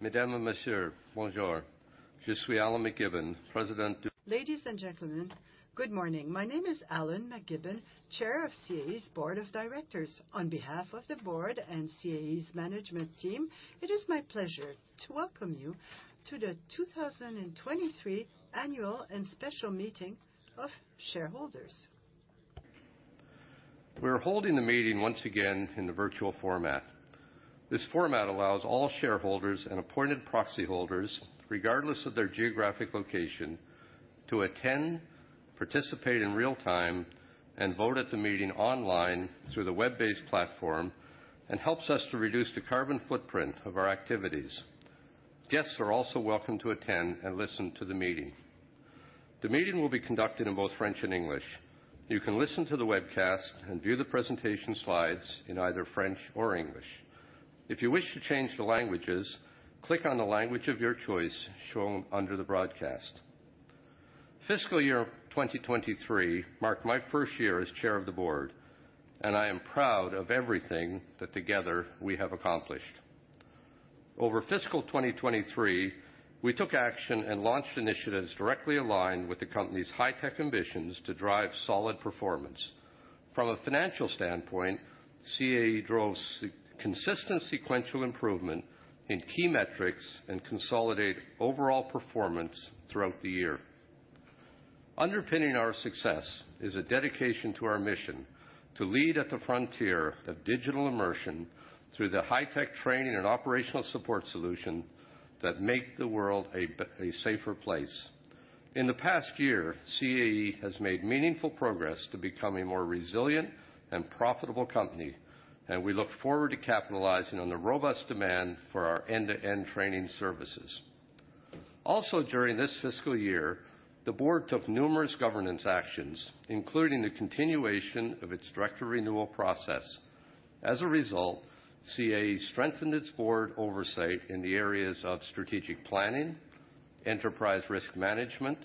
Mesdames et messieurs, bonjour. Je suis Alan MacGibbon, President- Ladies and gentlemen, good morning. My name is Alan MacGibbon, Chair of CAE's Board of Directors. On behalf of the Board and CAE's management team, it is my pleasure to welcome you to the 2023 Annual and Special Meeting of Shareholders. We're holding the meeting once again in the virtual format. This format allows all shareholders and appointed proxy holders, regardless of their geographic location, to attend, participate in real time, and vote at the meeting online through the web-based platform, and helps us to reduce the carbon footprint of our activities. Guests are also welcome to attend and listen to the meeting. The meeting will be conducted in both French and English. You can listen to the webcast and view the presentation slides in either French or English. If you wish to change the languages, click on the language of your choice shown under the broadcast. Fiscal year 2023 marked my first year as Chair of the Board, and I am proud of everything that together we have accomplished. Over fiscal 2023, we took action and launched initiatives directly aligned with the company's high-tech ambitions to drive solid performance. From a financial standpoint, CAE drove consistent sequential improvement in key metrics and consolidate overall performance throughout the year. Underpinning our success is a dedication to our mission to lead at the frontier of digital immersion through the high-tech training and operational support solution that make the world a safer place. In the past year, CAE has made meaningful progress to become a more resilient and profitable company, and we look forward to capitalizing on the robust demand for our end-to-end training services. During this fiscal year, the board took numerous governance actions, including the continuation of its director renewal process. As a result, CAE strengthened its board oversight in the areas of strategic planning, enterprise risk management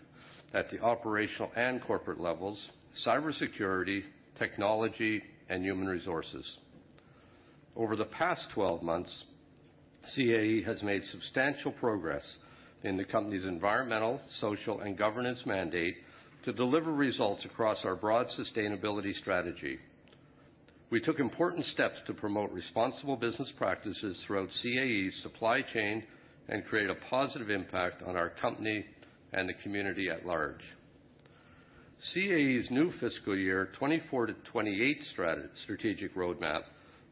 at the operational and corporate levels, cybersecurity, technology, and human resources. Over the past 12 months, CAE has made substantial progress in the company's environmental, social, and governance mandate to deliver results across our broad sustainability strategy. We took important steps to promote responsible business practices throughout CAE's supply chain and create a positive impact on our company and the community at large. CAE's new fiscal year 2024-2028 strategic roadmap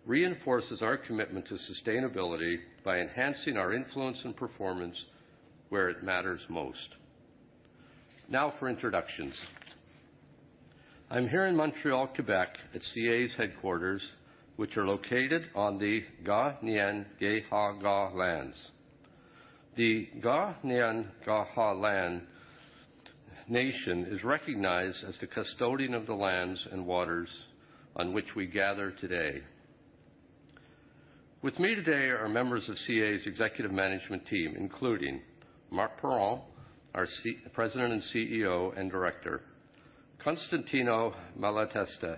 reinforces our commitment to sustainability by enhancing our influence and performance where it matters most. Now for introductions. I'm here in Montreal, Quebec, at CAE's headquarters, which are located on the Kanien'kehá:ka lands. The Kanien'kehá:ka land nation is recognized as the custodian of the lands and waters on which we gather today. With me today are members of CAE's executive management team, including Marc Parent, our President and CEO, and Director. Constantino Malatesta,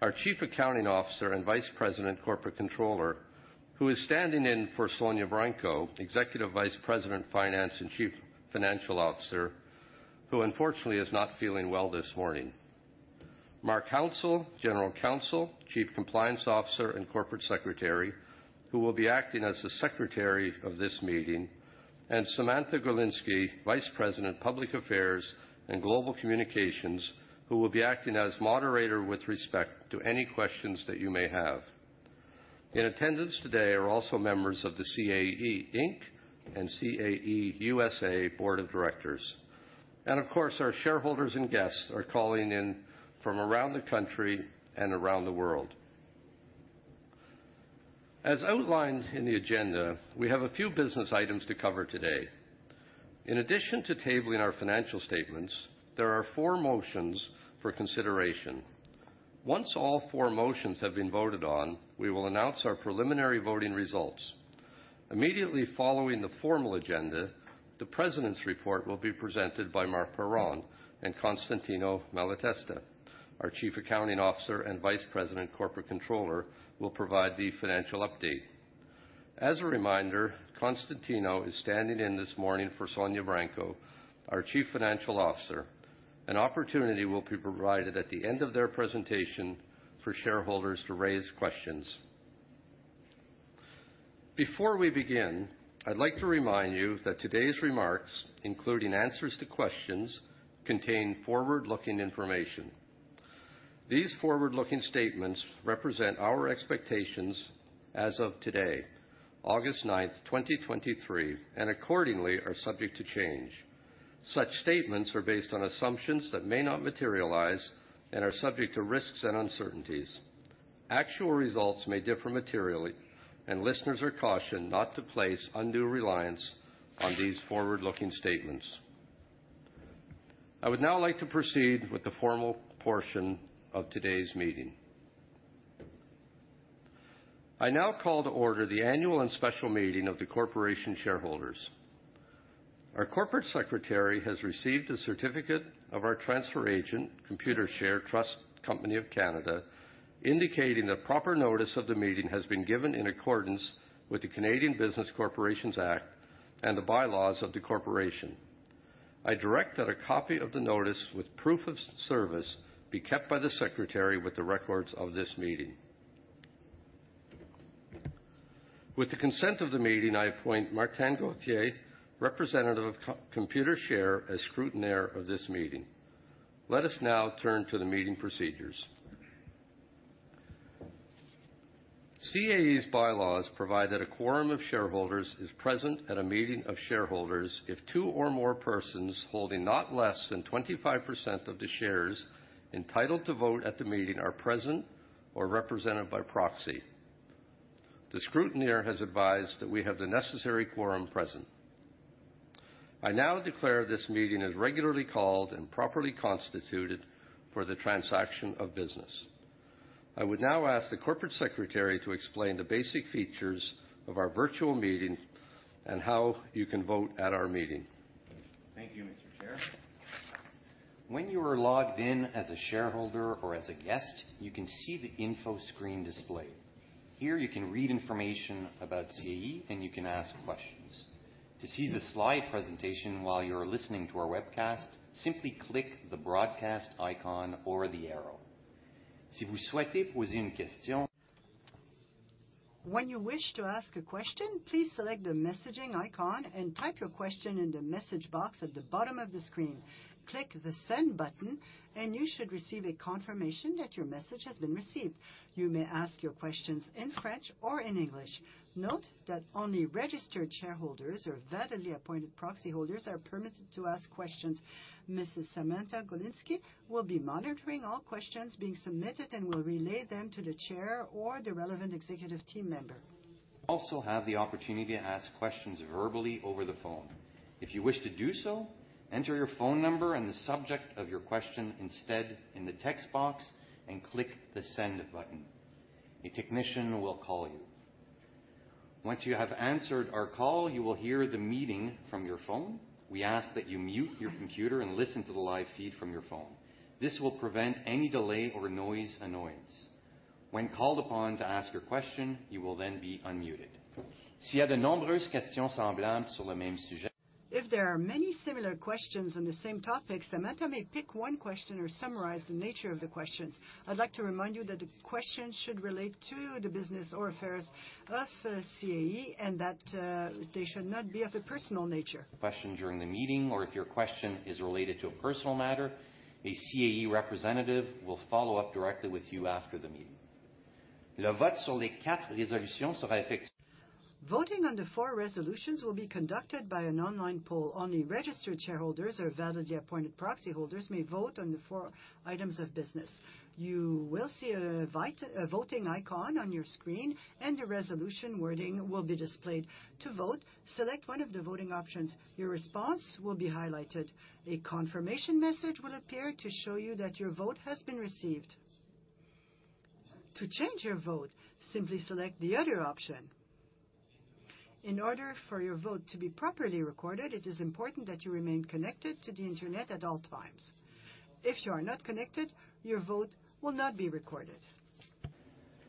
our Chief Accounting Officer and Vice President Corporate Controller, who is standing in for Sonya Branco, Executive Vice President, Finance, and Chief Financial Officer, who unfortunately is not feeling well this morning. Mark Hounsell, General Counsel, Chief Compliance Officer, and Corporate Secretary, who will be acting as the secretary of this meeting, and Samantha Golinski, Vice President, Public Affairs and Global Communications, who will be acting as moderator with respect to any questions that you may have. In attendance today are also members of the CAE Inc. and CAE USA Board of Directors. Of course, our shareholders and guests are calling in from around the country and around the world. As outlined in the agenda, we have a few business items to cover today. In addition to tabling our financial statements, there are four motions for consideration. Once all four motions have been voted on, we will announce our preliminary voting results. Immediately following the formal agenda, the President's report will be presented by Marc Parent and Constantino Malatesta. Our Chief Accounting Officer and Vice President Corporate Controller will provide the financial update. As a reminder, Constantino is standing in this morning for Sonya Branco, our Chief Financial Officer. An opportunity will be provided at the end of their presentation for shareholders to raise questions. Before we begin, I'd like to remind you that today's remarks, including answers to questions, contain forward-looking information. These forward-looking statements represent our expectations as of today, August 9, 2023, and accordingly, are subject to change. Such statements are based on assumptions that may not materialize and are subject to risks and uncertainties. Actual results may differ materially, and listeners are cautioned not to place undue reliance on these forward-looking statements. I would now like to proceed with the formal portion of today's meeting. I now call to order the annual and special meeting of the corporation shareholders. Our corporate secretary has received a certificate of our transfer agent, Computershare Trust Company of Canada, indicating that proper notice of the meeting has been given in accordance with the Canadian Business Corporations Act and the bylaws of the corporation. I direct that a copy of the notice with proof of service, be kept by the secretary with the records of this meeting. With the consent of the meeting, I appoint Martin Gauthier, representative of Computershare, as scrutineer of this meeting. Let us now turn to the meeting procedures. CAE's bylaws provide that a quorum of shareholders is present at a meeting of shareholders if two or more persons holding not less than 25% of the shares entitled to vote at the meeting are present or represented by proxy. The scrutineer has advised that we have the necessary quorum present. I now declare this meeting as regularly called and properly constituted for the transaction of business. I would now ask the corporate secretary to explain the basic features of our virtual meeting and how you can vote at our meeting. Thank you, Mr. Chair. When you are logged in as a shareholder or as a guest, you can see the info screen display. Here, you can read information about CAE, and you can ask questions. To see the slide presentation while you're listening to our webcast, simply click the broadcast icon or the arrow. When you wish to ask a question, please select the messaging icon and type your question in the message box at the bottom of the screen. Click the Send button, and you should receive a confirmation that your message has been received. You may ask your questions in French or in English. Note that only registered shareholders or validly appointed proxy holders are permitted to ask questions. Mrs. Samantha Golinski will be monitoring all questions being submitted and will relay them to the chair or the relevant executive team member. You also have the opportunity to ask questions verbally over the phone. If you wish to do so, enter your phone number and the subject of your question instead in the text box and click the Send button. A technician will call you. Once you have answered our call, you will hear the meeting from your phone. We ask that you mute your computer and listen to the live feed from your phone. This will prevent any delay or noise annoyance. When called upon to ask your question, you will then be unmuted. If there are many similar questions on the same topics, Samantha may pick one question or summarize the nature of the questions. I'd like to remind you that the questions should relate to the business or affairs of CAE, and that they should not be of a personal nature. Question during the meeting, or if your question is related to a personal matter, a CAE representative will follow up directly with you after the meeting. Voting on the four resolutions will be conducted by an online poll. Only registered shareholders or validly appointed proxy holders may vote on the four items of business. You will see a voting icon on your screen. A resolution wording will be displayed. To vote, select one of the voting options. Your response will be highlighted. A confirmation message will appear to show you that your vote has been received. To change your vote, simply select the other option. In order for your vote to be properly recorded, it is important that you remain connected to the Internet at all times. If you are not connected, your vote will not be recorded.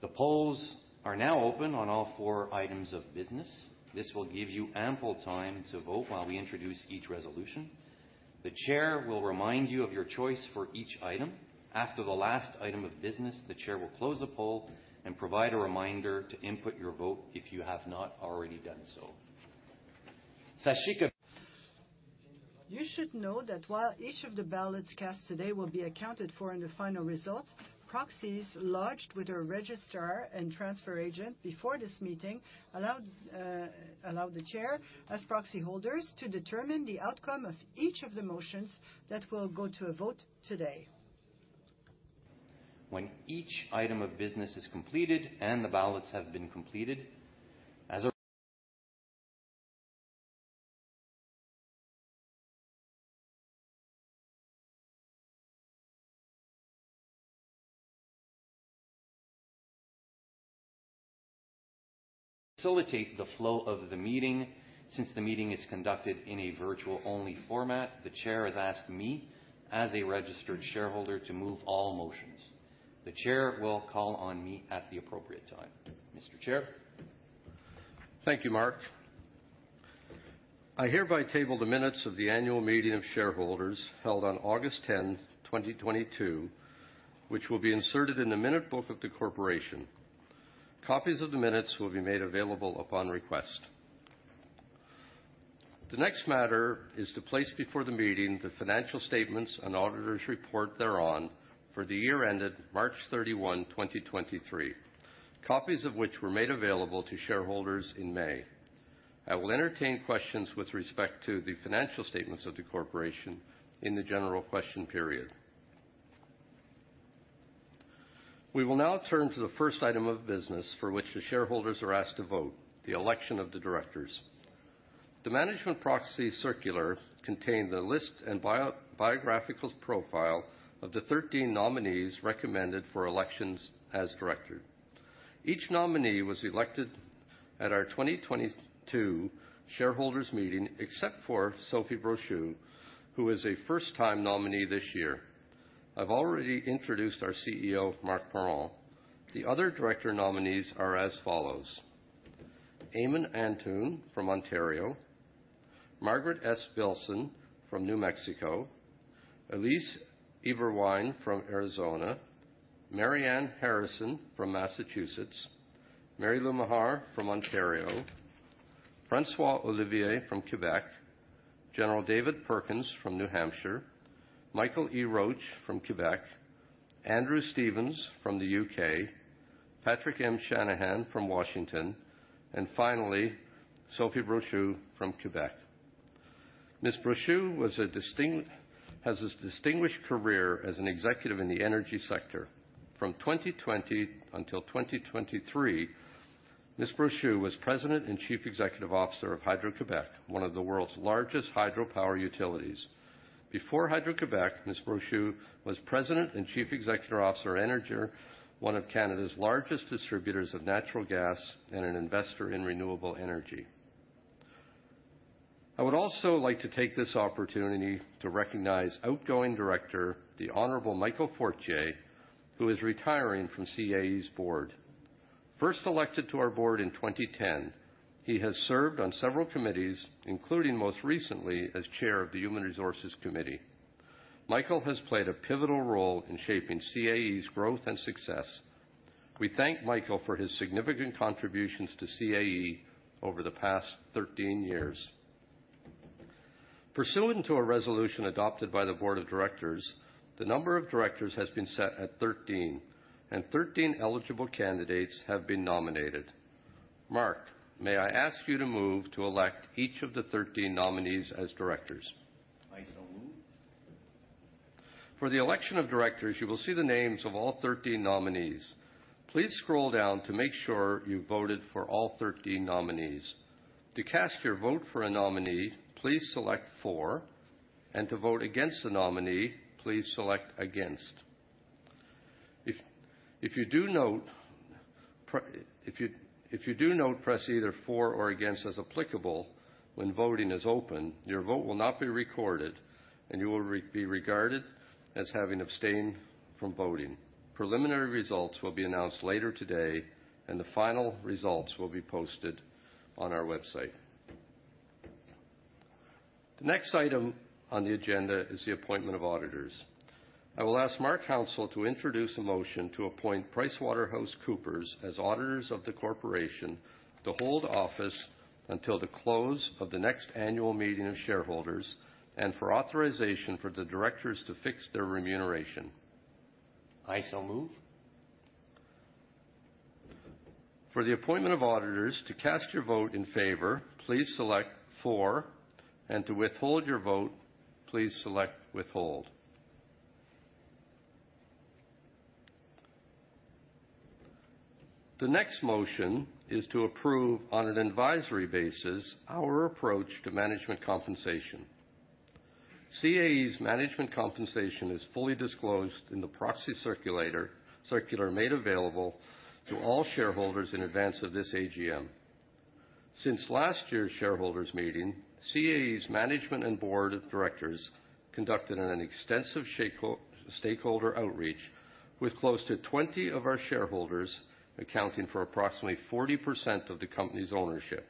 The polls are now open on all four items of business. This will give you ample time to vote while we introduce each resolution. The chair will remind you of your choice for each item. After the last item of business, the chair will close the poll and provide a reminder to input your vote if you have not already done so. You should know that while each of the ballots cast today will be accounted for in the final results, proxies lodged with our registrar and transfer agent before this meeting, allowed, allow the chair as proxy holders to determine the outcome of each of the motions that will go to a vote today. When each item of business is completed and the ballots have been completed. Facilitate the flow of the meeting. Since the meeting is conducted in a virtual-only format, the chair has asked me, as a registered shareholder, to move all motions. The chair will call on me at the appropriate time. Mr. Chair? Thank you, Mark. I hereby table the minutes of the annual meeting of shareholders held on August 10, 2022, which will be inserted in the minute book of the Corporation. Copies of the minutes will be made available upon request. The next matter is to place before the meeting the financial statements and auditor's report thereon for the year ended March 31, 2023. Copies of which were made available to shareholders in May. I will entertain questions with respect to the financial statements of the corporation in the general question period. We will now turn to the first item of business for which the shareholders are asked to vote, the election of the directors. The Management Proxy Circular contain the list and biographical profile of the 13 nominees recommended for elections as director. Each nominee was elected at our 2022 shareholders' meeting, except for Sophie Brochu, who is a first-time nominee this year. I've already introduced our CEO, Marc Parent. The other director nominees are as follows: Ayman Antoun from Ontario, Margaret S. Billson from New Mexico, Elise Eberwein from Arizona, Marianne Harrison from Massachusetts, Mary Lou Maher from Ontario, François Olivier from Quebec, General David Perkins from New Hampshire, Michael E. Roach from Quebec, Andrew Stevens from the U.K., Patrick M. Shanahan from Washington, and finally, Sophie Brochu from Quebec. Ms. Brochu has a distinguished career as an executive in the energy sector. From 2020 until 2023, Ms. Brochu was President and Chief Executive Officer of Hydro-Québec, one of the world's largest hydropower utilities. Before Hydro-Québec, Ms. Brochu was president and chief executive officer of Énergir, one of Canada's largest distributors of natural gas and an investor in renewable energy. I would also like to take this opportunity to recognize outgoing director, the Honorable Michael Fortier, who is retiring from CAE's board. First elected to our board in 2010, he has served on several committees, including most recently as chair of the Human Resources Committee. Michael has played a pivotal role in shaping CAE's growth and success. We thank Michael for his significant contributions to CAE over the past 13 years. Pursuant to a resolution adopted by the board of directors, the number of directors has been set at 13, and 13 eligible candidates have been nominated. Mark, may I ask you to move to elect each of the 13 nominees as directors? I so move. For the election of directors, you will see the names of all 13 nominees. Please scroll down to make sure you voted for all 13 nominees. To cast your vote for a nominee, please select For, and to vote against the nominee, please select Against. If you do note, if you do note, press either For or Against, as applicable, when voting is open, your vote will not be recorded, and you will be regarded as having abstained from voting. Preliminary results will be announced later today. The final results will be posted on our website. The next item on the agenda is the appointment of auditors. I will ask Mark Hounsell to introduce a motion to appoint PricewaterhouseCoopers as auditors of the corporation, to hold office until the close of the next annual meeting of shareholders, and for authorization for the directors to fix their remuneration. I so move. For the appointment of auditors, to cast your vote in favor, please select For, and to withhold your vote, please select Withhold. The next motion is to approve, on an advisory basis, our approach to management compensation. CAE's management compensation is fully disclosed in the proxy circular made available to all shareholders in advance of this AGM. Since last year's shareholders meeting, CAE's management and Board of Directors conducted an extensive stakeholder outreach, with close to 20 of our shareholders, accounting for approximately 40% of the company's ownership,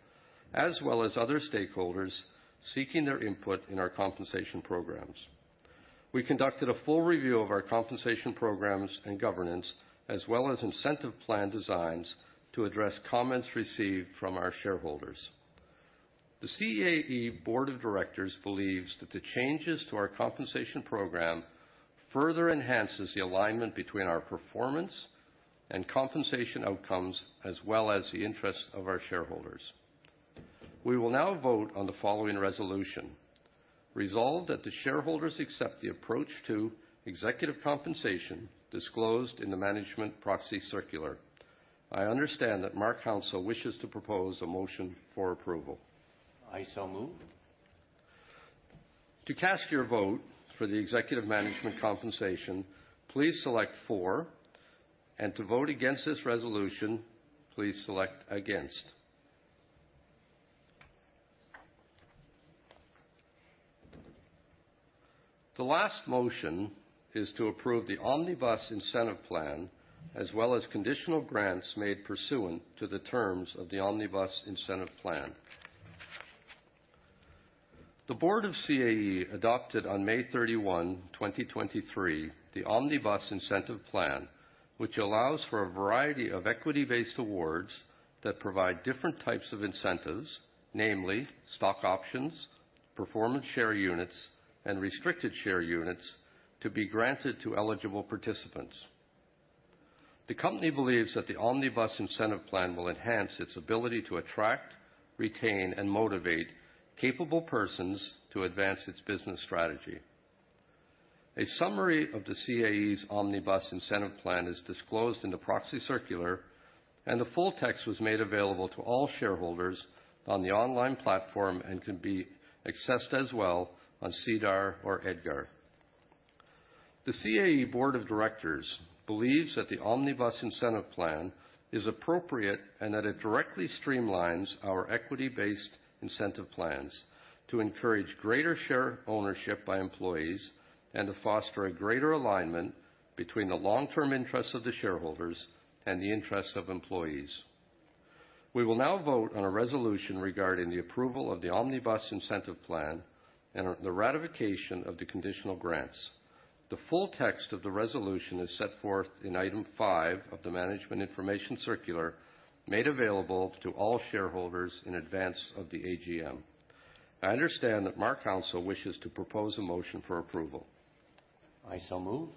as well as other stakeholders, seeking their input in our compensation programs. We conducted a full review of our compensation programs and governance, as well as incentive plan designs, to address comments received from our shareholders. The CAE Board of Directors believes that the changes to our compensation program further enhances the alignment between our performance and compensation outcomes, as well as the interests of our shareholders. We will now vote on the following resolution: Resolved that the shareholders accept the approach to executive compensation disclosed in the Management Proxy Circular. I understand that Mark Hounsell wishes to propose a motion for approval. I so move. To cast your vote for the executive management compensation, please select For, and to vote against this resolution, please select Against. The last motion is to approve the Omnibus Incentive Plan, as well as conditional grants made pursuant to the terms of the Omnibus Incentive Plan. The board of CAE adopted on May 31, 2023, the Omnibus Incentive Plan, which allows for a variety of equity-based awards that provide different types of incentives, namely stock options, performance share units, and restricted share units, to be granted to eligible participants. The company believes that the Omnibus Incentive Plan will enhance its ability to attract, retain, and motivate capable persons to advance its business strategy. A summary of the CAE's Omnibus Incentive Plan is disclosed in the proxy circular, and the full text was made available to all shareholders on the online platform and can be accessed as well on SEDAR or EDGAR. The CAE Board of Directors believes that the Omnibus Incentive Plan is appropriate and that it directly streamlines our equity-based incentive plans to encourage greater share ownership by employees and to foster a greater alignment between the long-term interests of the shareholders and the interests of employees. We will now vote on a resolution regarding the approval of the Omnibus Incentive Plan and on the ratification of the conditional grants. The full text of the resolution is set forth in item five of the Management Information Circular, made available to all shareholders in advance of the AGM. I understand that Mark Hounsell wishes to propose a motion for approval. I so move.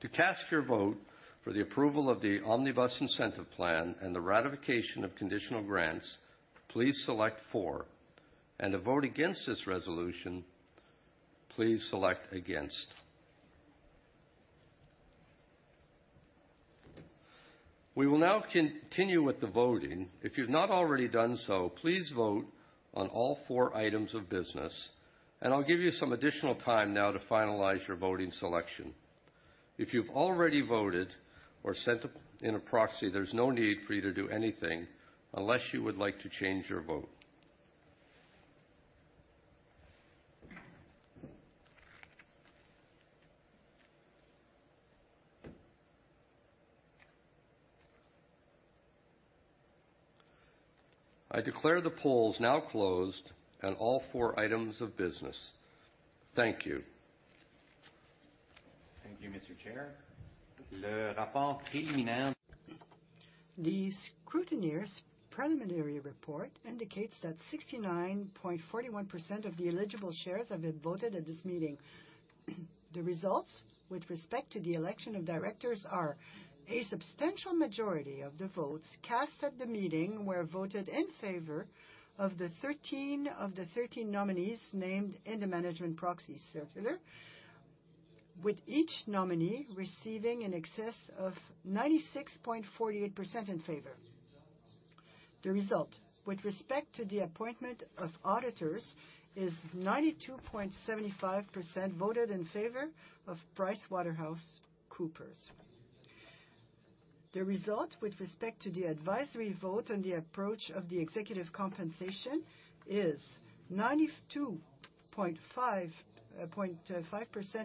To cast your vote for the approval of the Omnibus Incentive Plan and the ratification of conditional grants, please select "for," and to vote against this resolution, please select "against." We will now continue with the voting. If you've not already done so, please vote on all four items of business, and I'll give you some additional time now to finalize your voting selection. If you've already voted or sent in a proxy, there's no need for you to do anything unless you would like to change your vote. I declare the polls now closed on all four items of business. Thank you. Thank you, Mr. Chair. The scrutineer's preliminary report indicates that 69.41% of the eligible shares have been voted at this meeting. The results with respect to the election of directors are: a substantial majority of the votes cast at the meeting were voted in favor of the 13 of the 13 nominees named in the Management Proxy Circular, with each nominee receiving in excess of 96.48% in favor. The result with respect to the appointment of auditors is 92.75% voted in favor of PricewaterhouseCoopers. The result with respect to the advisory vote on the approach of the executive compensation is 92.55%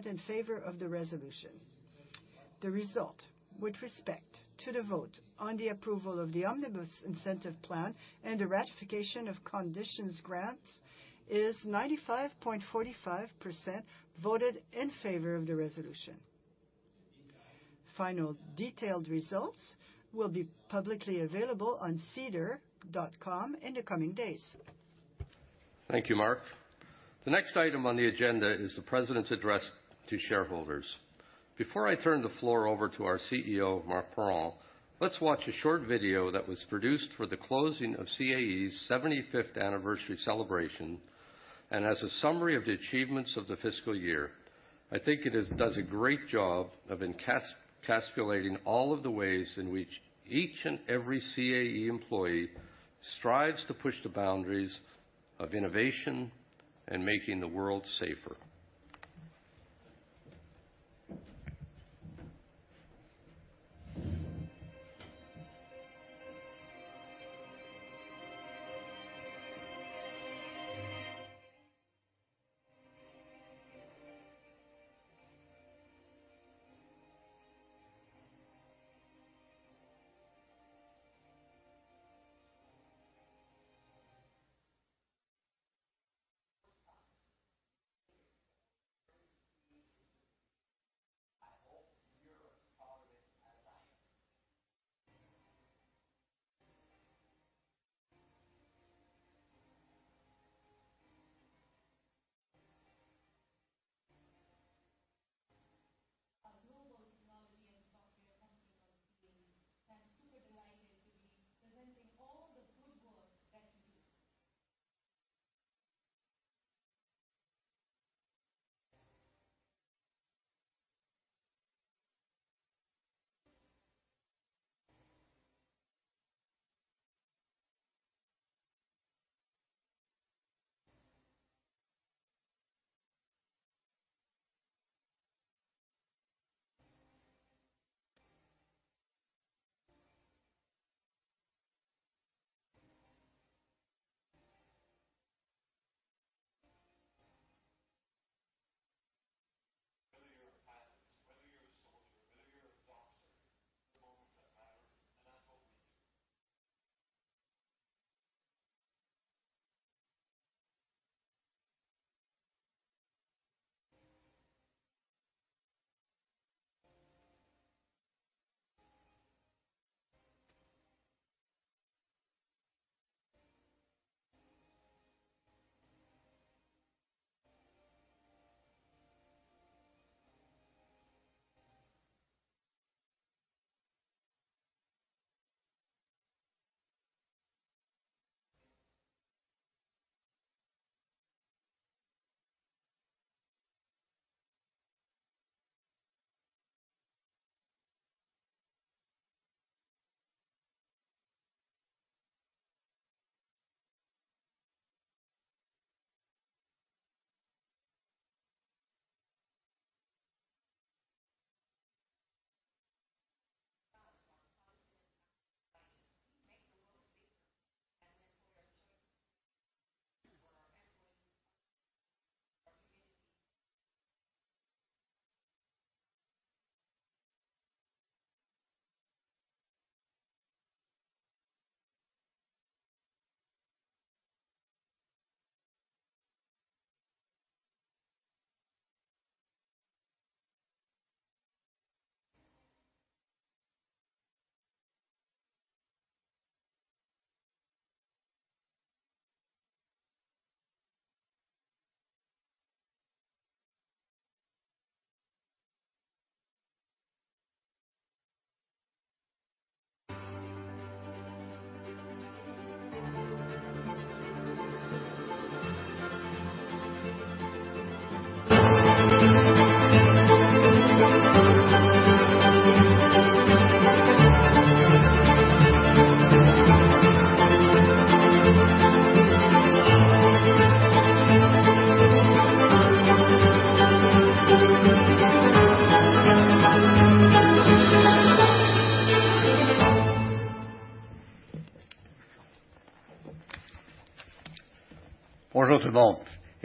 in favor of the resolution. The result with respect to the vote on the approval of the Omnibus Incentive Plan and the ratification of conditions grants is 95.45% voted in favor of the resolution. Final detailed results will be publicly available on sedar.com in the coming days. Thank you, Marc. The next item on the agenda is the president's address to shareholders. Before I turn the floor over to our CEO, Marc Parent, let's watch a short video that was produced for the closing of CAE's 75th Anniversary Celebration and as a summary of the achievements of the fiscal year. I think it is does a great job of calculating all of the ways in which each and every CAE employee strives to push the boundaries of innovation and making the world safer. ...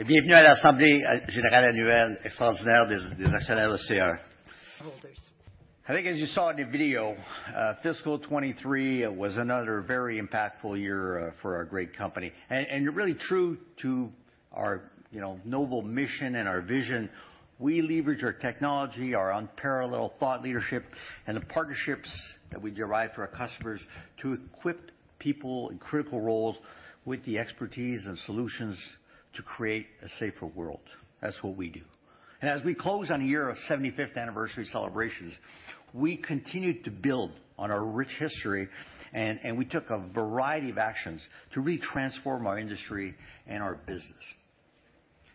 I think as you saw in the video, fiscal 2023 was another very impactful year for our great company. And really true to our, you know, noble mission and our vision, we leverage our technology, our unparalleled thought leadership, and the partnerships that we derive for our customers to equip people in critical roles with the expertise and solutions to create a safer world. That's what we do. As we close on a year of 75th Anniversary Celebrations, we continued to build on our rich history, and we took a variety of actions to retransform our industry and our business.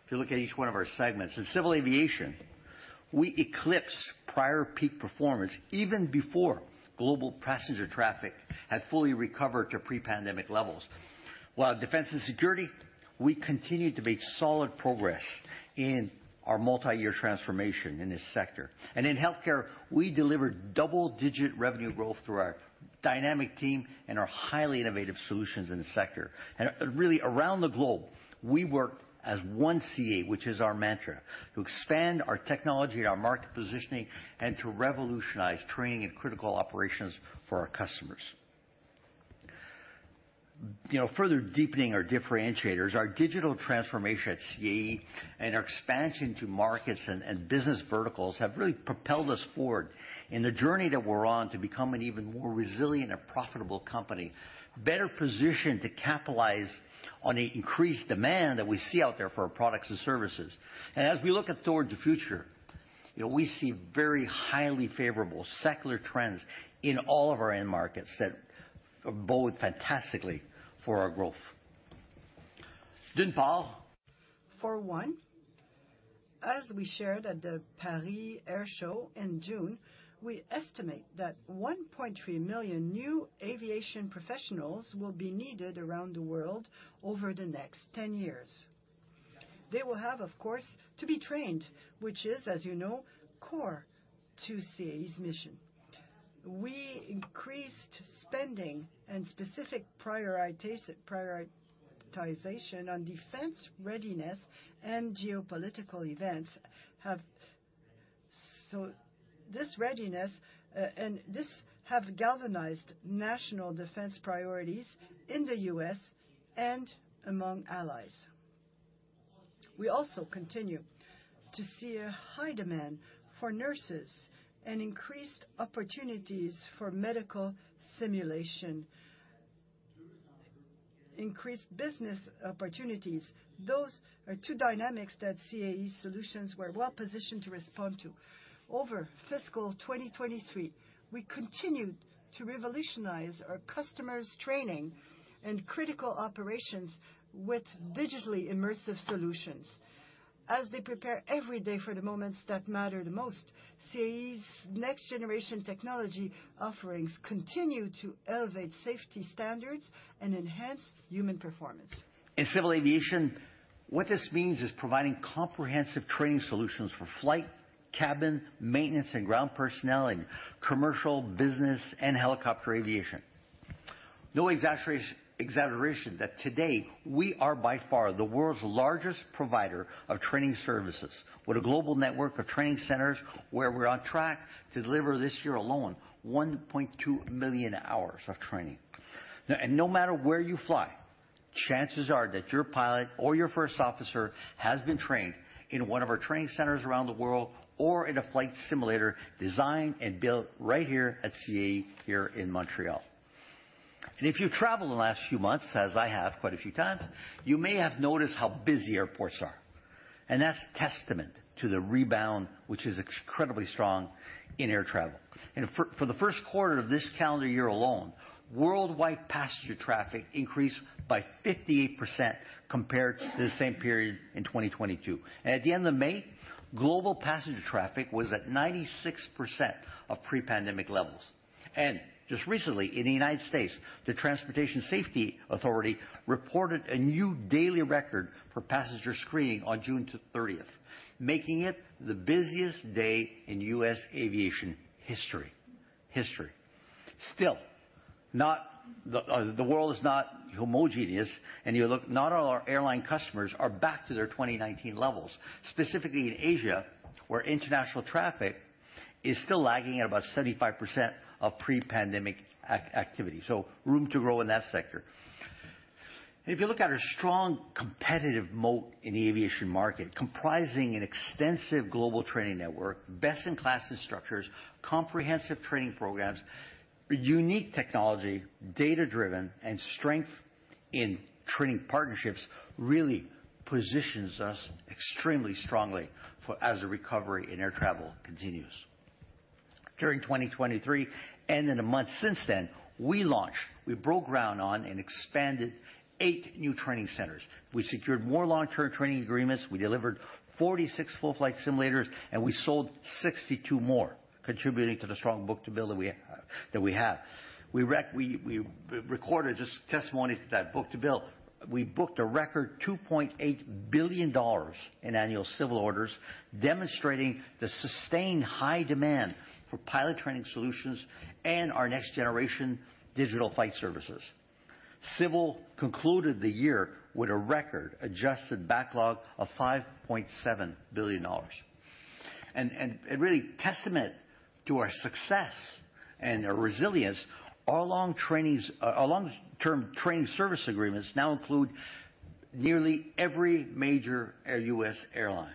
If you look at each one of our segments, in civil aviation, we eclipsed prior peak performance even before global passenger traffic had fully recovered to pre-pandemic levels. While defense and security, we continued to make solid progress in our multi-year transformation in this sector. In healthcare, we delivered double-digit revenue growth through our dynamic team and our highly innovative solutions in the sector. Really around the globe, we work as one CAE, which is our mantra, to expand our technology and our market positioning, and to revolutionize training and critical operations for our customers. You know, further deepening our differentiators, our digital transformation at CAE and our expansion to markets and business verticals have really propelled us forward in the journey that we're on to become an even more resilient and profitable company, better positioned to capitalize on an increased demand that we see out there for our products and services. As we look at towards the future, you know, we see very highly favorable secular trends in all of our end markets that bode fantastically for our growth. For one, as we shared at the Paris Air Show in June, we estimate that 1.3 million new aviation professionals will be needed around the world over the next 10 years. They will have, of course, to be trained, which is, as you know, core to CAE's mission. We increased spending and specific prioritization on defense readiness and geopolitical events have. This readiness and this have galvanized national defense priorities in the U.S. and among allies. We also continue to see a high demand for nurses and increased opportunities for medical simulation, increased business opportunities. Those are two dynamics that CAE solutions were well-positioned to respond to. Over fiscal 2023, we continued to revolutionize our customers' training and critical operations with digitally immersive solutions. As they prepare every day for the moments that matter the most, CAE's next-generation technology offerings continue to elevate safety standards and enhance human performance. In civil aviation, what this means is providing comprehensive training solutions for flight, cabin, maintenance, and ground personnel in commercial, business, and helicopter aviation. No exaggeration that today we are by far the world's largest provider of training services, with a global network of training centers where we're on track to deliver this year alone, 1.2 million hours of training. No matter where you fly, chances are that your pilot or your first officer has been trained in one of our training centers around the world, or in a flight simulator designed and built right here at CAE, here in Montreal. If you traveled in the last few months, as I have quite a few times, you may have noticed how busy airports are, and that's testament to the rebound, which is incredibly strong in air travel. For the first quarter of this calendar year alone, worldwide passenger traffic increased by 58% compared to the same period in 2022. At the end of May, global passenger traffic was at 96% of pre-pandemic levels. Just recently, in the United States, the Transportation Security Administration reported a new daily record for passenger screening on June thirtieth, making it the busiest day in U.S. aviation history. History! Still, not the world is not homogeneous, and you look, not all our airline customers are back to their 2019 levels, specifically in Asia, where international traffic is still lagging at about 75% of pre-pandemic activity, so room to grow in that sector. If you look at our strong competitive moat in the aviation market, comprising an extensive global training network, best-in-class instructors, comprehensive training programs, unique technology, data-driven and strength in training partnerships, really positions us extremely strongly for as the recovery in air travel continues. During 2023, in the months since then, we launched, we broke ground on and expanded eight new training centers. We secured more long-term training agreements, we delivered 46 full flight simulators, and we sold 62 more, contributing to the strong book-to-bill that we have. We recorded this testimony to that book-to-bill. We booked a record $2.8 billion in annual Civil orders, demonstrating the sustained high demand for pilot training solutions and our next-generation digital flight services. Civil concluded the year with a record adjusted backlog of $5.7 billion. Really testament to our success and our resilience, our long trainings, our long-term training service agreements now include nearly every major air U.S. airline.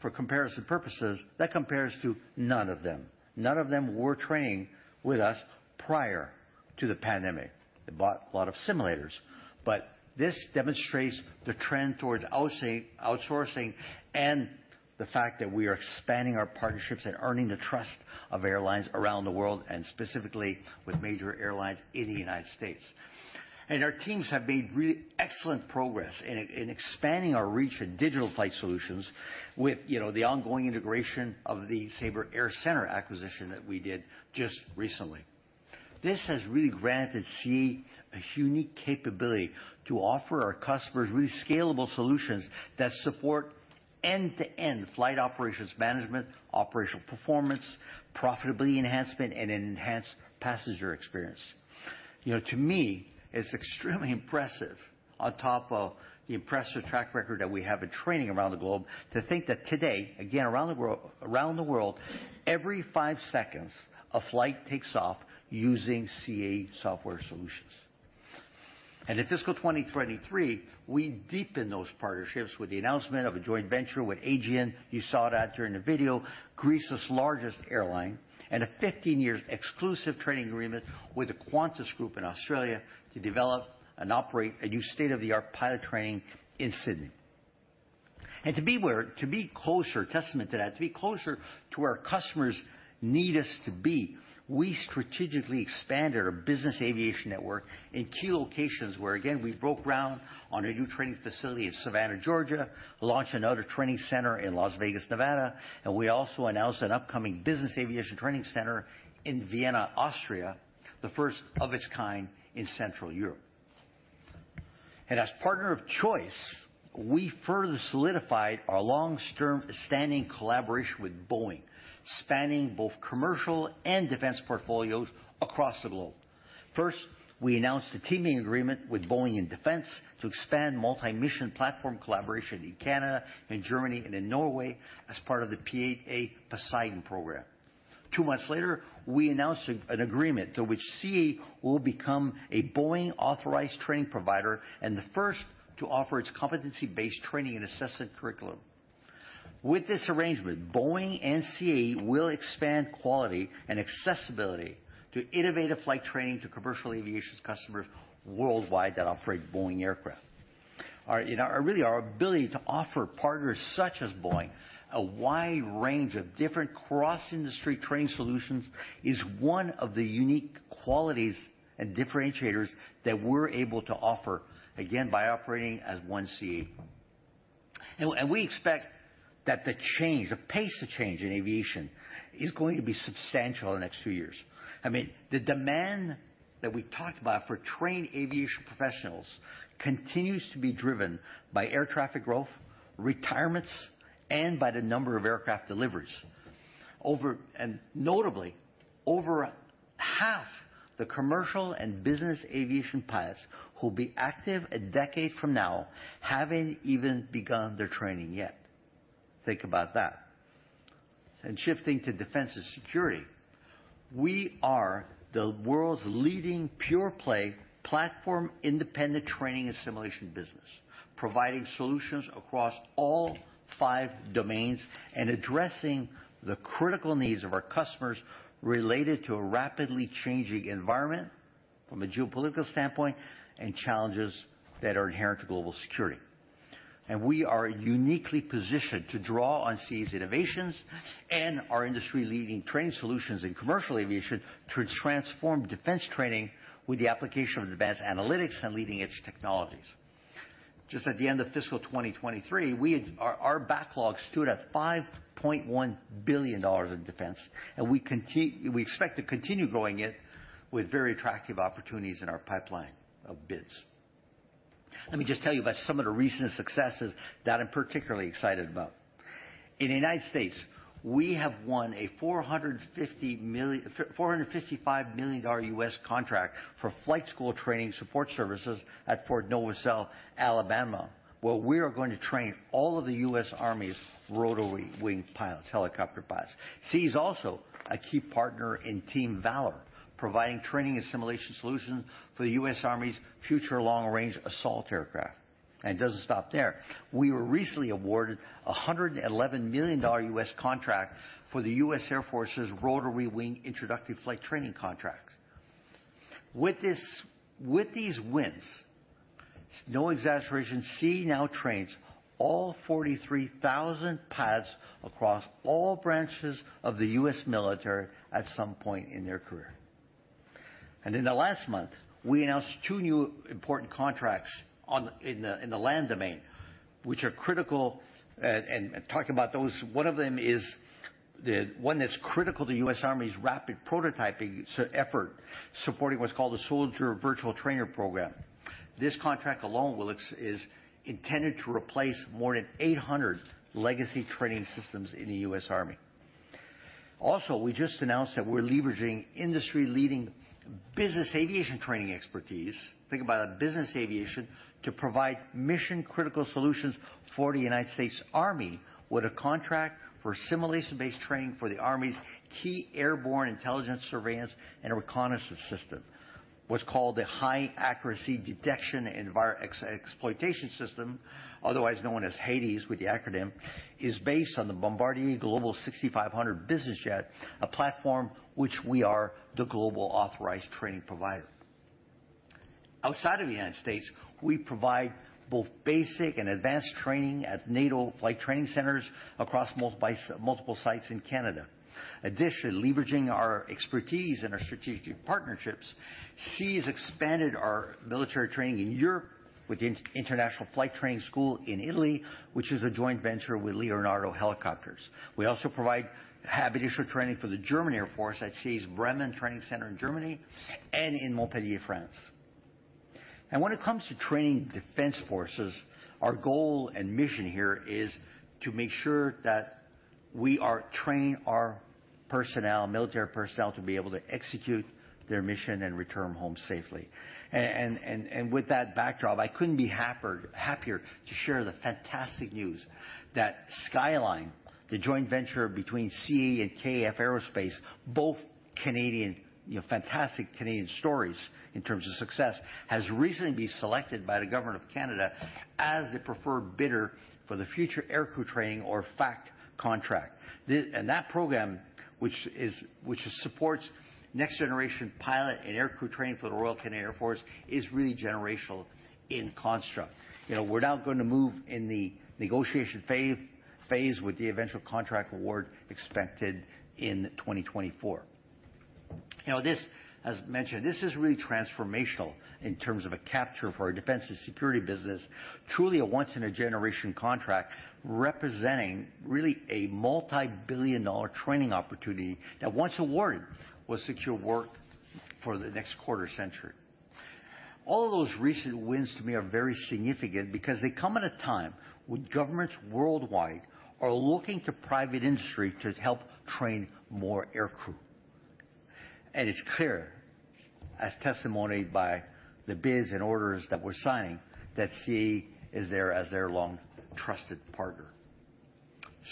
For comparison purposes, that compares to none of them. None of them were training with us prior to the pandemic. They bought a lot of simulators. This demonstrates the trend towards outsourcing and the fact that we are expanding our partnerships and earning the trust of airlines around the world, and specifically with major airlines in the United States. Our teams have made really excellent progress in, in expanding our reach in digital flight solutions with, you know, the ongoing integration of the Sabre AirCentre acquisition that we did just recently. This has really granted CAE a unique capability to offer our customers really scalable solutions that support end-to-end flight operations management, operational performance, profitability enhancement, and an enhanced passenger experience. You know, to me, it's extremely impressive on top of the impressive track record that we have in training around the globe, to think that today, again, around the world, around the world, every five seconds, a flight takes off using CAE software solutions. In fiscal 2023, we deepened those partnerships with the announcement of a joint venture with Aegean, you saw that during the video, Greece's largest airline, and a 15-years exclusive training agreement with the Qantas Group in Australia to develop and operate a new state-of-the-art pilot training in Sydney. To be closer, testament to that, to be closer to where our customers need us to be, we strategically expanded our business aviation network in key locations where, again, we broke ground on a new training facility in Savannah, Georgia, launched another training center in Las Vegas, Nevada, and we also announced an upcoming business aviation training center in Vienna, Austria, the first of its kind in Central Europe. As partner of choice, we further solidified our long-term standing collaboration with Boeing, spanning both commercial and defense portfolios across the globe. First, we announced a teaming agreement with Boeing in Defense to expand multi-mission platform collaboration in Canada, in Germany, and in Norway as part of the P-8A Poseidon program. Two months later, we announced an agreement to which CAE will become a Boeing-authorized training provider and the first to offer its competency-based training and assessment curriculum. With this arrangement, Boeing and CAE will expand quality and accessibility to innovative flight training to commercial aviation customers worldwide that operate Boeing aircraft. Really, our ability to offer partners such as Boeing, a wide range of different cross-industry training solutions, is one of the unique qualities and differentiators that we're able to offer, again, by operating as one CAE. We expect that the change, the pace of change in aviation is going to be substantial in the next few years. I mean, the demand that we talked about for trained aviation professionals continues to be driven by air traffic growth, retirements, and by the number of aircraft deliveries. Over... Notably, over half the commercial and business aviation pilots who will be active a decade from now, haven't even begun their training yet. Think about that. Shifting to defense and security, we are the world's leading pure-play, platform-independent training and simulation business, providing solutions across all five domains and addressing the critical needs of our customers related to a rapidly changing environment from a geopolitical standpoint and challenges that are inherent to global security. We are uniquely positioned to draw on CAE's innovations and our industry-leading training solutions in commercial aviation to transform defense training with the application of advanced analytics and leading-edge technologies. Just at the end of fiscal 2023, our, our backlog stood at $5.1 billion in defense. We expect to continue growing it with very attractive opportunities in our pipeline of bids. Let me just tell you about some of the recent successes that I'm particularly excited about. In the United States, we have won a $455 million U.S. contract for flight school training support services at Fort Novosel, Alabama, where we are going to train all of the U.S. Army's rotary wing pilots, helicopter pilots. CAE is also a key partner in Team Valor, providing training and simulation solutions for the U.S. Army's future long-range assault aircraft. It doesn't stop there. We were recently awarded a $111 million U.S. contract for the U.S. Air Force's Rotary Wing Introductory Flight Training contract. With this, with these wins, no exaggeration, CAE now trains all 43,000 pilots across all branches of the U.S. military at some point in their career. In the last month, we announced two new important contracts in the land domain, which are critical. Talking about those, one of them is the one that's critical to U.S. Army's rapid prototyping effort, supporting what's called a Soldier Virtual Trainer program. This contract alone is intended to replace more than 800 legacy training systems in the U.S. Army. Also, we just announced that we're leveraging industry-leading business aviation training expertise, think about it, business aviation, to provide mission-critical solutions for the United States Army, with a contract for simulation-based training for the Army's key airborne intelligence, surveillance, and reconnaissance system. What's called the High Accuracy Detection and Exploitation System, otherwise known as HADES, with the acronym, is based on the Bombardier Global 6500 business jet, a platform which we are the global authorized training provider. Outside of the United States, we provide both basic and advanced training at NATO flight training centers across multiple sites in Canada. Additionally, leveraging our expertise and our strategic partnerships, CAE has expanded our military training in Europe with the International Flight Training School in Italy, which is a joint venture with Leonardo Helicopters. We also provide habituation training for the German Air Force at CAE's Bremen Training Center in Germany and in Montpellier, France. When it comes to training defense forces, our goal and mission here is to make sure that we are training our personnel, military personnel, to be able to execute their mission and return home safely. With that backdrop, I couldn't be happier, happier to share the fantastic news that SkyAlyne, the joint venture between CAE and KF Aerospace, both Canadian, you know, fantastic Canadian stories in terms of success, has recently been selected by the government of Canada as the preferred bidder for the Future Aircrew Training, or FAcT contract. That program, which is, which supports next-generation pilot and aircrew training for the Royal Canadian Air Force, is really generational in construct. You know, we're now going to move in the negotiation phase with the eventual contract award expected in 2024. This, as mentioned, this is really transformational in terms of a capture for our defense and security business. Truly a once-in-a-generation contract, representing really a multibillion-dollar training opportunity that, once awarded, will secure work for the next quarter century. All of those recent wins, to me, are very significant because they come at a time when governments worldwide are looking to private industry to help train more aircrew. It's clear, as testified by the bids and orders that we're signing, that CAE is there as their long-trusted partner.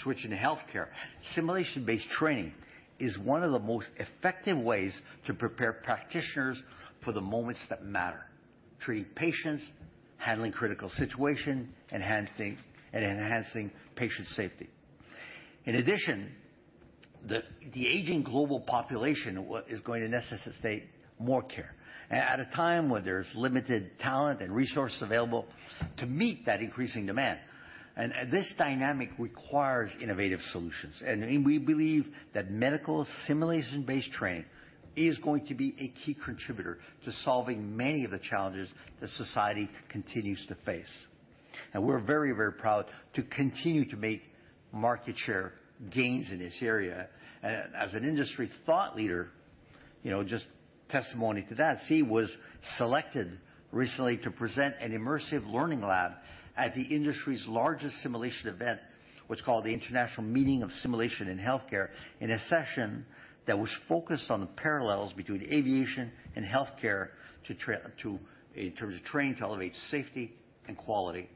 Switching to healthcare. Simulation-based training is one of the most effective ways to prepare practitioners for the moments that matter: treating patients, handling critical situations, and enhancing patient safety. In addition, the aging global population is going to necessitate more care at a time when there's limited talent and resources available to meet that increasing demand. This dynamic requires innovative solutions, and we believe that medical simulation-based training is going to be a key contributor to solving many of the challenges that society continues to face. We're very, very proud to continue to make market share gains in this area. As an industry thought leader, you know, just testimony to that, CAE was selected recently to present an immersive learning lab at the industry's largest simulation event, what's called the International Meeting on Simulation in Healthcare, in a session that was focused on the parallels between aviation and healthcare, to, in terms of training, to elevate safety and quality.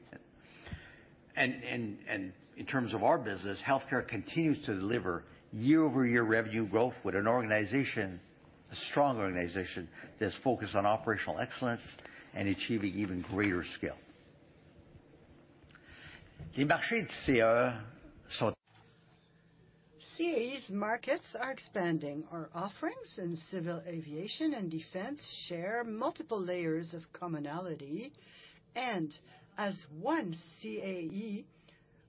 In terms of our business, healthcare continues to deliver year-over-year revenue growth with an organization, a strong organization, that's focused on operational excellence and achieving even greater scale. CAE's markets are expanding. Our offerings in civil aviation and defense share multiple layers of commonality, and as one CAE,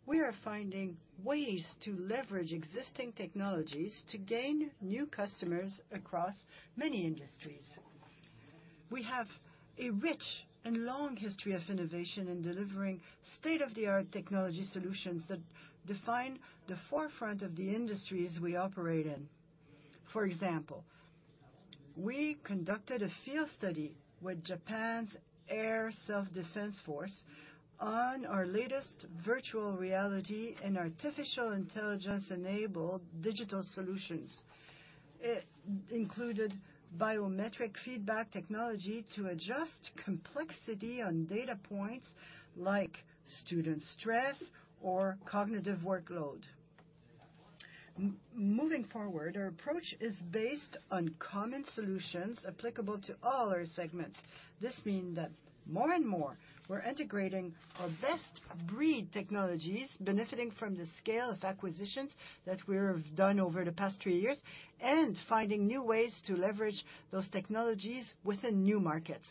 we are finding ways to leverage existing technologies to gain new customers across many industries. We have a rich and long history of innovation in delivering state-of-the-art technology solutions that define the forefront of the industries we operate in. For example. ...We conducted a field study with Japan Air Self-Defense Force on our latest virtual reality and artificial intelligence-enabled digital solutions. It included biometric feedback technology to adjust complexity on data points, like student stress or cognitive workload. Moving forward, our approach is based on common solutions applicable to all our segments. This means that more and more, we're integrating our best-of-breed technologies, benefiting from the scale of acquisitions that we have done over the past three years, and finding new ways to leverage those technologies within new markets.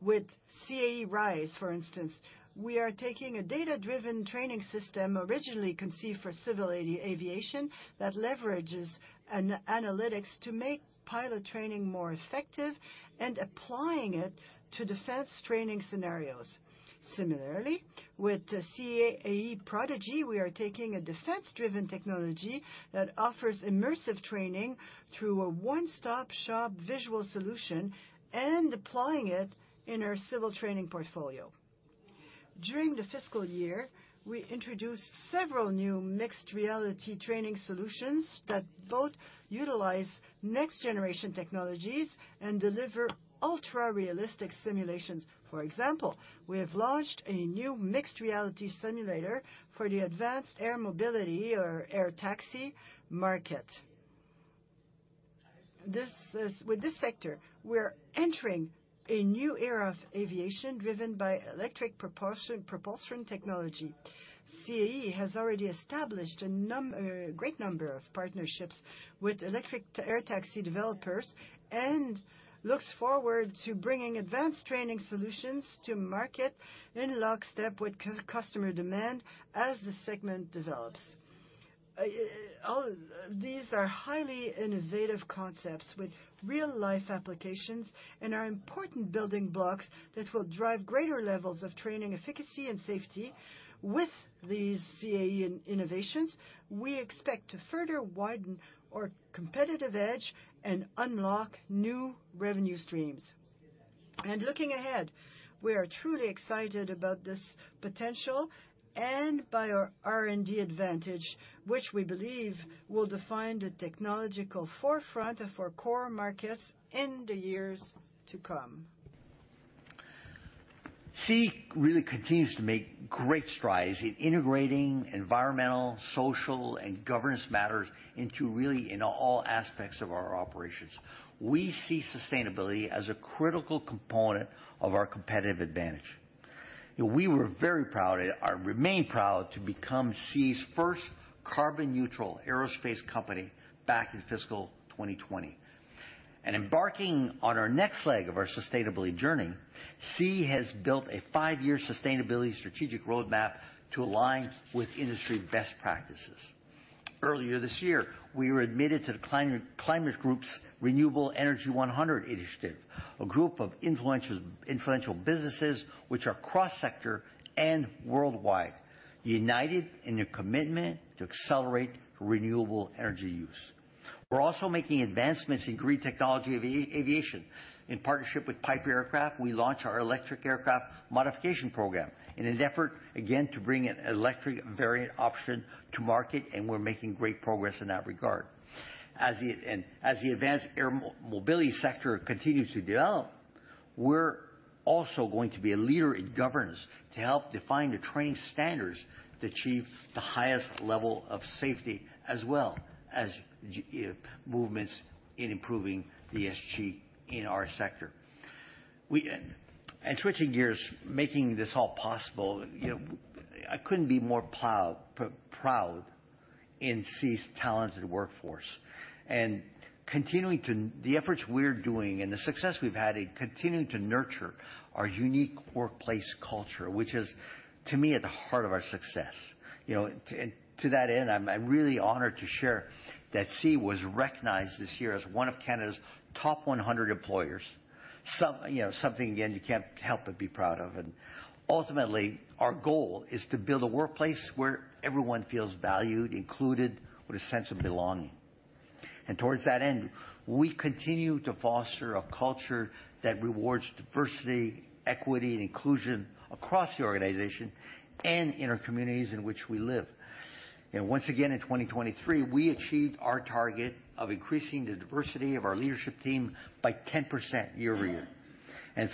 With CAE Rise, for instance, we are taking a data-driven training system, originally conceived for civil aviation, that leverages analytics to make pilot training more effective and applying it to defense training scenarios. Similarly, with CAE Prodigy, we are taking a defense-driven technology that offers immersive training through a one-stop-shop visual solution and applying it in our civil training portfolio. During the fiscal year, we introduced several new mixed reality training solutions that both utilize next-generation technologies and deliver ultra-realistic simulations. For example, we have launched a new mixed reality simulator for the advanced air mobility or air taxi market. With this sector, we're entering a new era of aviation driven by electric propulsion, propulsion technology. CAE has already established a great number of partnerships with electric air taxi developers and looks forward to bringing advanced training solutions to market in lockstep with customer demand as the segment develops. All these are highly innovative concepts with real-life applications and are important building blocks that will drive greater levels of training, efficacy, and safety. With these CAE innovations, we expect to further widen our competitive edge and unlock new revenue streams. Looking ahead, we are truly excited about this potential and by our R&D advantage, which we believe will define the technological forefront of our core markets in the years to come. CAE really continues to make great strides in integrating environmental, social, and governance matters into really, in all aspects of our operations. We see sustainability as a critical component of our competitive advantage. We were very proud and are remain proud to become CAE's first carbon neutral aerospace company back in fiscal 2020. Embarking on our next leg of our sustainability journey, CAE has built a five-year sustainability strategic roadmap to align with industry best practices. Earlier this year, we were admitted to the Climate Group's Renewable Energy One Hundred Initiative, a group of influential businesses which are cross-sector and worldwide, united in a commitment to accelerate renewable energy use. We're also making advancements in green technology aviation. In partnership with Piper Aircraft, we launched our electric aircraft modification program in an effort, again, to bring an electric variant option to market. We're making great progress in that regard. As the advanced air mobility sector continues to develop, we're also going to be a leader in governance to help define the training standards to achieve the highest level of safety, as well as movements in improving the ESG in our sector. We. Switching gears, making this all possible, you know, I couldn't be more proud in CAE's talented workforce and continuing the efforts we're doing and the success we've had in continuing to nurture our unique workplace culture, which is, to me, at the heart of our success. You know, to that end, I'm really honored to share that CAE was recognized this year as one of Canada's top 100 employers. You know, something, again, you can't help but be proud of. Ultimately, our goal is to build a workplace where everyone feels valued, included, with a sense of belonging. Towards that end, we continue to foster a culture that rewards diversity, equity, and inclusion across the organization and in our communities in which we live. Once again, in 2023, we achieved our target of increasing the diversity of our leadership team by 10% year-over-year.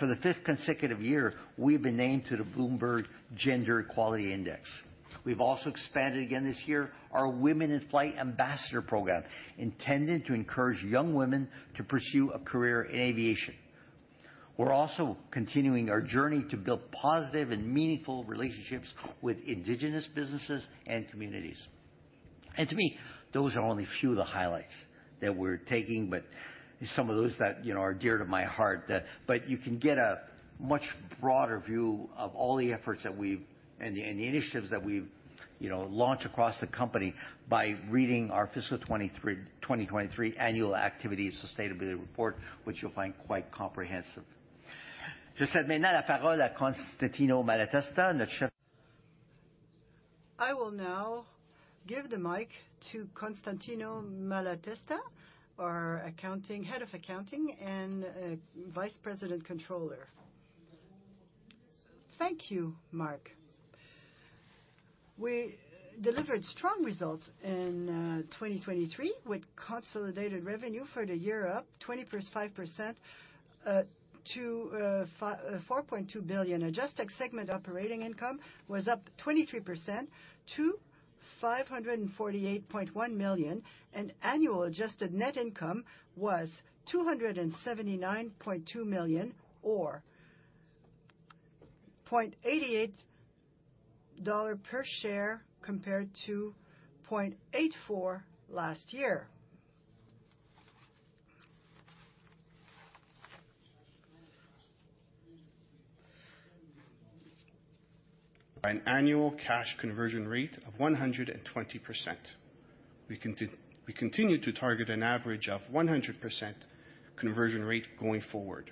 For the fifth consecutive year, we've been named to the Bloomberg Gender-Equality Index. We've also expanded again this year, our Women in Flight Ambassador Program, intended to encourage young women to pursue a career in aviation. We're also continuing our journey to build positive and meaningful relationships with indigenous businesses and communities. To me, those are only a few of the highlights that we're taking, but some of those that, you know, are dear to my heart. You can get a much broader view of all the efforts that we've, and the, and the initiatives that we've, you know, launched across the company by reading our fiscal 23, 2023 Annual Activity and Sustainability Report, which you'll find quite comprehensive. Just said, maintenant la parole à Constantino Malatesta.... I will now give the mic to Constantino Malatesta, our accounting, Head of Accounting and Vice President Controller. Thank you, Marc. We delivered strong results in 2023, with consolidated revenue for the year up 25% to $4.2 billion. Adjusted segment operating income was up 23% to $548.1 million, and annual adjusted net income was $279.2 million, or $0.88 per share, compared to $0.84 last year. An annual cash conversion rate of 120%. We continue to target an average of 100% conversion rate going forward.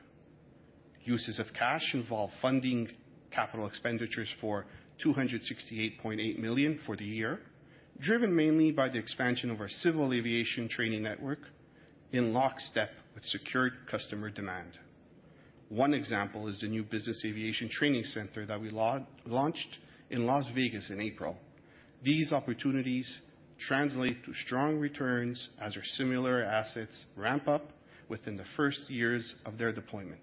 Uses of cash involve funding capital expenditures for $268.8 million for the year, driven mainly by the expansion of our civil aviation training network in lockstep with secured customer demand. One example is the new business aviation training center that we launched in Las Vegas in April. These opportunities translate to strong returns as our similar assets ramp up within the first years of their deployment.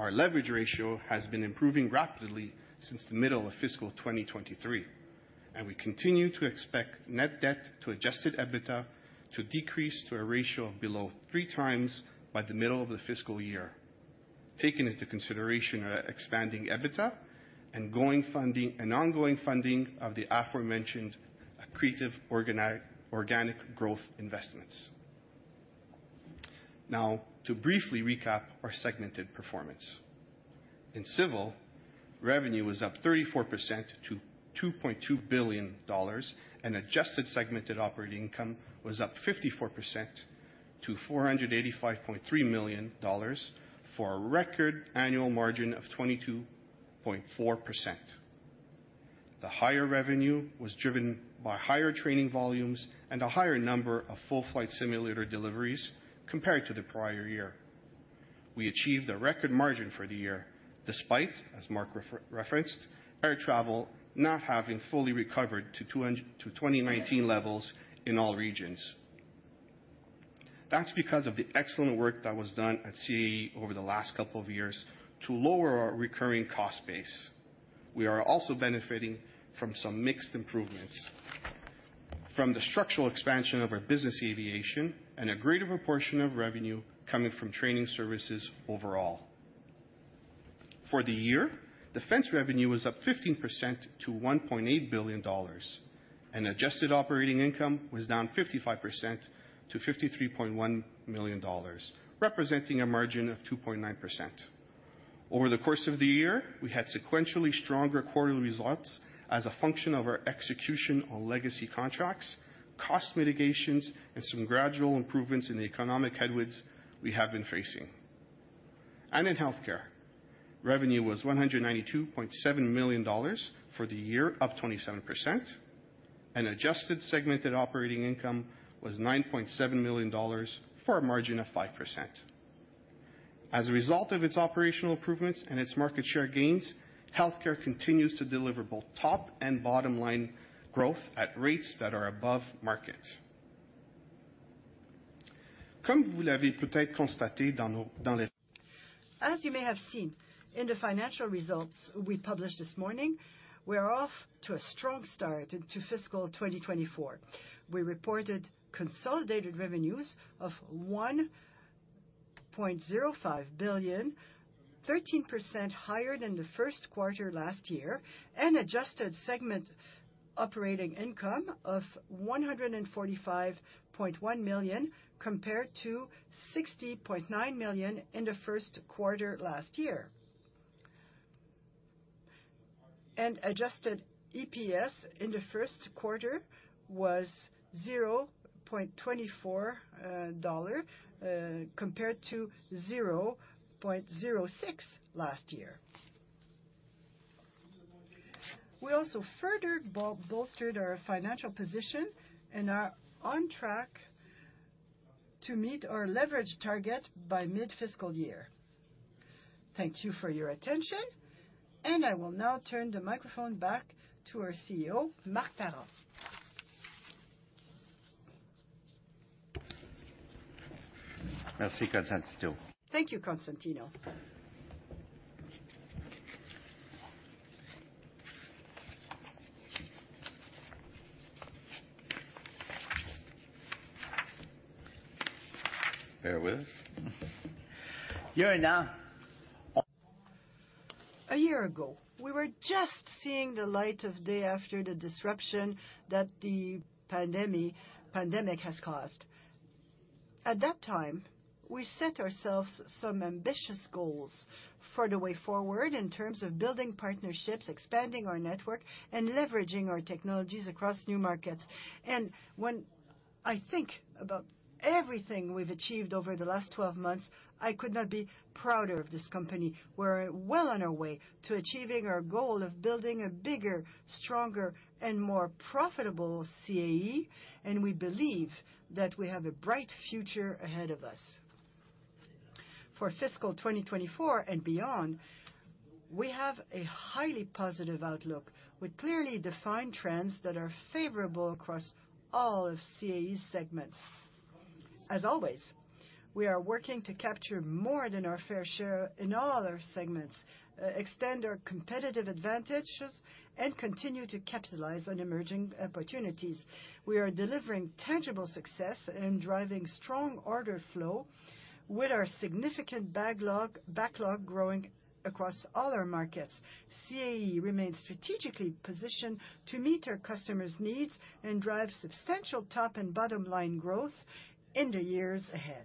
Our leverage ratio has been improving rapidly since the middle of fiscal 2023, and we continue to expect net debt to Adjusted EBITDA to decrease to a ratio of below 3x by the middle of the fiscal year, taking into consideration our expanding EBITDA and ongoing funding of the aforementioned accretive organic growth investments. To briefly recap our segmented performance. In civil, revenue was up 34% to $2.2 billion, and adjusted segmented operating income was up 54% to $485.3 million, for a record annual margin of 22.4%. The higher revenue was driven by higher training volumes and a higher number of full flight simulator deliveries compared to the prior year. We achieved a record margin for the year, despite, as Marc referenced, air travel not having fully recovered to 2019 levels in all regions. That's because of the excellent work that was done at CAE over the last couple of years to lower our recurring cost base. We are also benefiting from some mixed improvements from the structural expansion of our business aviation and a greater proportion of revenue coming from training services overall. For the year, defense revenue was up 15% to $1.8 billion, adjusted operating income was down 55% to $53.1 million, representing a margin of 2.9%. Over the course of the year, we had sequentially stronger quarterly results as a function of our execution on legacy contracts, cost mitigations, and some gradual improvements in the economic headwinds we have been facing. In healthcare, revenue was $192.7 million for the year, up 27%, and adjusted segmented operating income was $9.7 million, for a margin of 5%. As a result of its operational improvements and its market share gains, healthcare continues to deliver both top and bottom line growth at rates that are above market. As you may have seen in the financial results we published this morning, we are off to a strong start into fiscal 2024. We reported consolidated revenues of $1.05 billion, 13% higher than the first quarter last year, and adjusted segment operating income of $145.1 million, compared to $60.9 million in the first quarter last year. Adjusted EPS in the first quarter was $0.24 compared to $0.06 last year. We also further bolstered our financial position and are on track to meet our leverage target by mid-fiscal year. Thank you for your attention, and I will now turn the microphone back to our CEO, Marc Parent. Thank you, Constantino. Thank you, Constantino. Bear with us. You're now- 1 year ago, we were just seeing the light of day after the disruption that the pandemic has caused. At that time, we set ourselves some ambitious goals for the way forward in terms of building partnerships, expanding our network, and leveraging our technologies across new markets. When I think about everything we've achieved over the last 12 months, I could not be prouder of this company. We're well on our way to achieving our goal of building a bigger, stronger, and more profitable CAE, and we believe that we have a bright future ahead of us. For fiscal 2024 and beyond, we have a highly positive outlook with clearly defined trends that are favorable across all of CAE's segments. As always, we are working to capture more than our fair share in all our segments, extend our competitive advantages, and continue to capitalize on emerging opportunities. We are delivering tangible success and driving strong order flow with our significant backlog, backlog growing across all our markets. CAE remains strategically positioned to meet our customers' needs and drive substantial top and bottom line growth in the years ahead.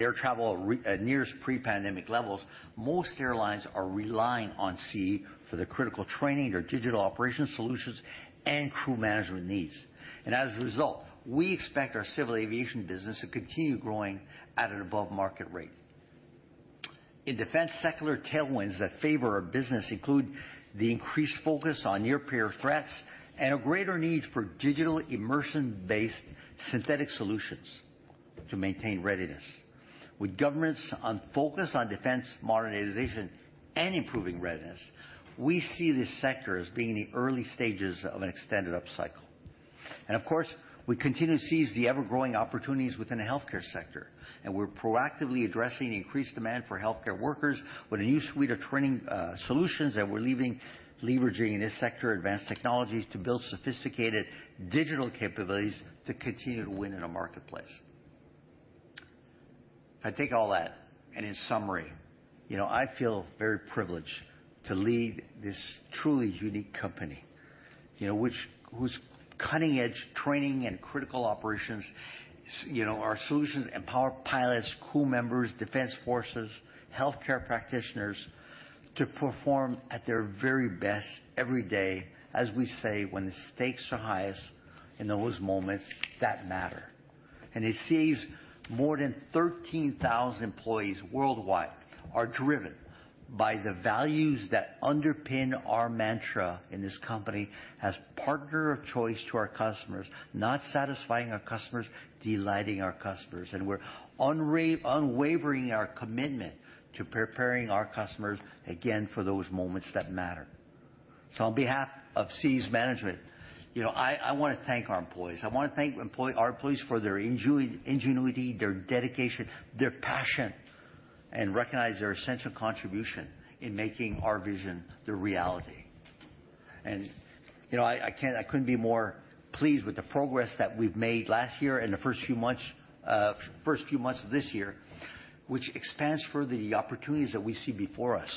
Air travel nears pre-pandemic levels, most airlines are relying on CAE for their critical training, their digital operation solutions, and crew management needs. As a result, we expect our civil aviation business to continue growing at an above-market rate. In defense, secular tailwinds that favor our business include the increased focus on near-peer threats and a greater need for digital immersion-based synthetic solutions to maintain readiness. With governments on focus on defense, modernization, and improving readiness, we see this sector as being in the early stages of an extended upcycle. Of course, we continue to seize the ever-growing opportunities within the healthcare sector, and we're proactively addressing the increased demand for healthcare workers with a new suite of training solutions that we're leveraging in this sector, advanced technologies to build sophisticated digital capabilities to continue to win in the marketplace. I take all that, and in summary, you know, I feel very privileged to lead this truly unique company, you know, whose cutting-edge training and critical operations, you know, our solutions empower pilots, crew members, defense forces, healthcare practitioners to perform at their very best every day, as we say, when the stakes are highest in those moments that matter. It sees more than 13,000 employees worldwide are driven by the values that underpin our mantra in this company as partner of choice to our customers, not satisfying our customers, delighting our customers, and we're unwavering in our commitment to preparing our customers again for those moments that matter. On behalf of CAE's management, you know, I, I want to thank our employees. I want to thank our employees for their ingenuity, their dedication, their passion, and recognize their essential contribution in making our vision the reality. You know, I couldn't be more pleased with the progress that we've made last year and the first few months of this year, which expands further the opportunities that we see before us.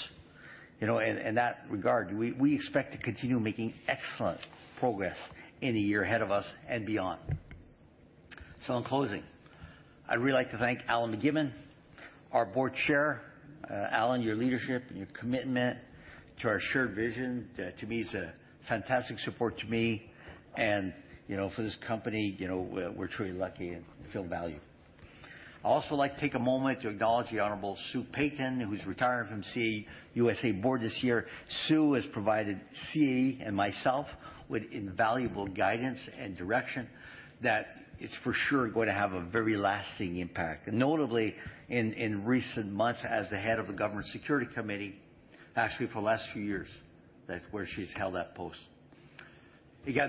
You know, in that regard, we expect to continue making excellent progress in the year ahead of us and beyond. In closing, I'd really like to thank Alan MacGibbon, our Board Chair. Alan, your leadership and your commitment to our shared vision, to me, is a fantastic support to me and, you know, for this company, you know, we're truly lucky and feel valued. I'd also like to take a moment to acknowledge the Honorable Sue Payton, who's retiring from CAE USA board this year. Sue has provided CAE and myself with invaluable guidance and direction that is for sure going to have a very lasting impact, and notably in, in recent months, as the head of the Government Security Committee, actually for the last few years, that where she's held that post. The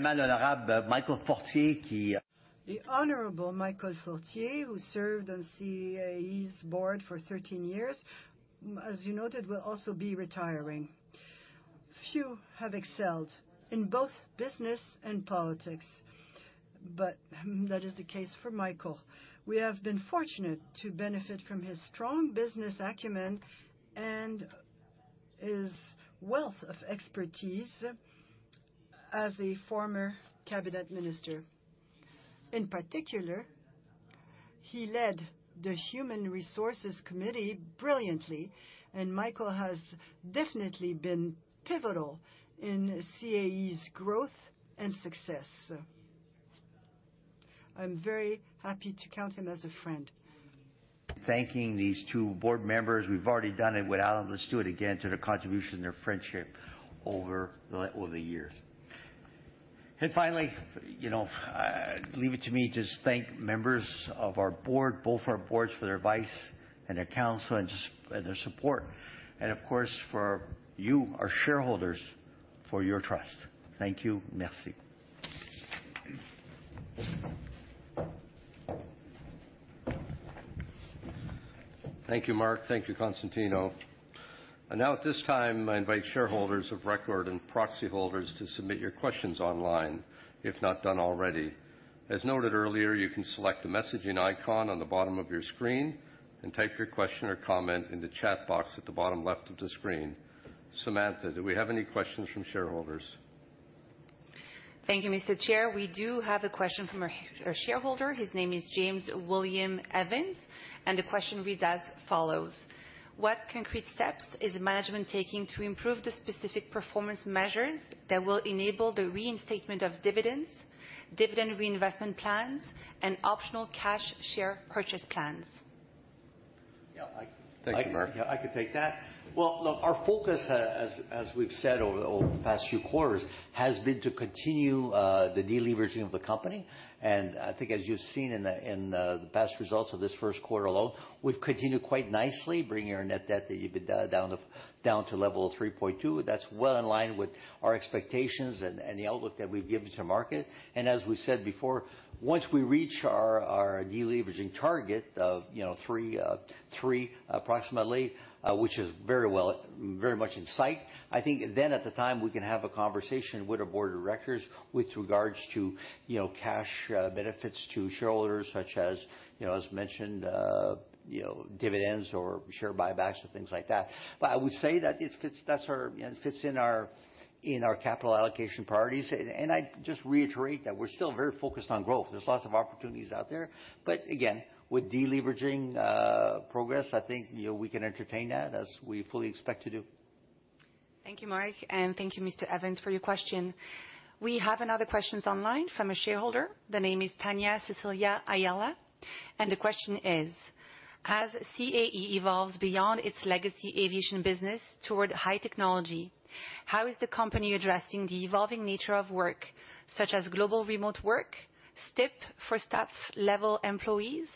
Honorable Michael Fortier, who served on CAE's board for 13 years, as you noted, will also be retiring. Few have excelled in both business and politics, but that is the case for Michael. We have been fortunate to benefit from his strong business acumen and his wealth of expertise as a former cabinet minister. In particular, he led the Human Resources Committee brilliantly, and Michael has definitely been pivotal in CAE's growth and success. I'm very happy to count him as a friend. Thanking these two board members, we've already done it with Allan. Let's do it again to their contribution and their friendship over the, over the years. Finally, you know, leave it to me to thank members of our board, both our boards, for their advice and their counsel and their support, and of course, for you, our shareholders, for your trust. Thank you. Merci. Thank you, Mark. Thank you, Constantino. Now, at this time, I invite shareholders of record and proxy holders to submit your questions online, if not done already. As noted earlier, you can select the messaging icon on the bottom of your screen and type your question or comment in the chat box at the bottom left of the screen. Samantha, do we have any questions from shareholders? Thank you, Mr. Chair. We do have a question from a shareholder. His name is James William Evans, and the question reads as follows: "What concrete steps is management taking to improve the specific performance measures that will enable the reinstatement of dividends, dividend reinvestment plans, and optional cash share purchase plans? Yeah. Thank you, Mark. Yeah, I could take that. Well, look, our focus, as, as we've said over, over the past few quarters, has been to continue the deleveraging of the company, and I think as you've seen in the, in the past results of this first quarter alone, we've continued quite nicely bringing our net debt EBITDA down to, down to level of 3.2. That's well in line with our expectations and, and the outlook that we've given to market. As we said before, once we reach our, our deleveraging target of, you know, three approximately, which is very well, very much in sight, I think then at the time, we can have a conversation with our Board of Directors with regards to, you know, cash benefits to shareholders, such as, you know, as mentioned, dividends or share buybacks or things like that. I would say that it fits, that's our, you know, fits in our, in our capital allocation priorities. I'd just reiterate that we're still very focused on growth. There's lots of opportunities out there. Again, with deleveraging progress, I think, you know, we can entertain that, as we fully expect to do. Thank you, Mark, and thank you, Mr. Evans, for your question. We have another questions online from a shareholder. The name is Tanya Cecilia Ayala, and the question is: "As CAE evolves beyond its legacy aviation business toward high technology, how is the company addressing the evolving nature of work, such as global remote work, stip for staff-level employees,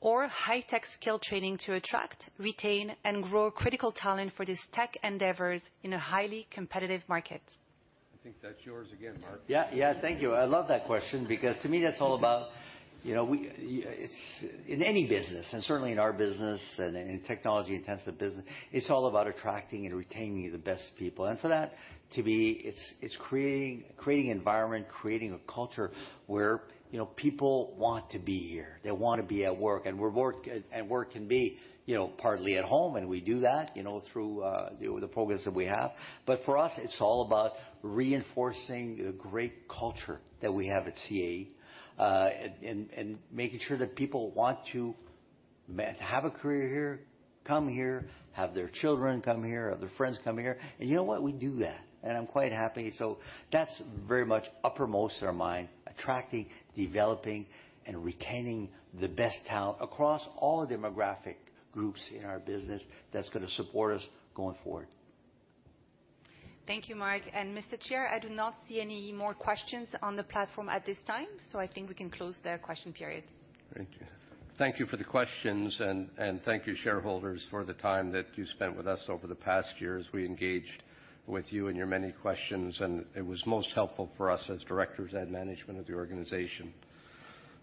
or high-tech skill training to attract, retain, and grow critical talent for these tech endeavors in a highly competitive market? I think that's yours again, Mark. Yeah. Yeah. Thank you. I love that question because to me, that's all about, you know, it's... In any business, and certainly in our business and in technology-intensive business, it's all about attracting and retaining the best people. For that to be, it's, it's creating, creating environment, creating a culture where, you know, people want to be here. They wanna be at work, and work can be, you know, partly at home, and we do that, you know, through, the, the progress that we have. For us, it's all about reinforcing the great culture that we have at CAE, and, and, and making sure that people want to have a career here, come here, have their children come here, have their friends come here. You know what? We do that, and I'm quite happy. That's very much uppermost in our mind, attracting, developing, and retaining the best talent across all demographic groups in our business that's gonna support us going forward. Thank you, Mark, and Mr. Chair, I do not see any more questions on the platform at this time, so I think we can close the question period. Thank you. Thank you for the questions, and thank you, shareholders, for the time that you spent with us over the past year as we engaged with you and your many questions. It was most helpful for us as directors and management of the organization.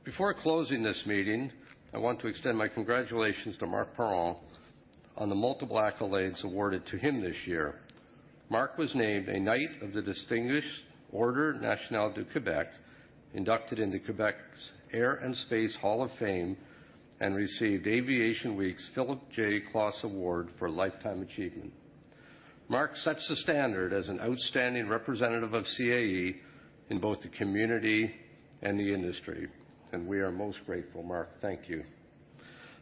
Before closing this meeting, I want to extend my congratulations to Marc Parent on the multiple accolades awarded to him this year. Marc was named a Knight of the Distinguished Ordre national du Québec, inducted into Quebec's Air and Space Hall of Fame, and received Aviation Week's Philip J. Klass Award for Lifetime Achievement. Marc sets the standard as an outstanding representative of CAE in both the community and the industry. We are most grateful. Marc, thank you.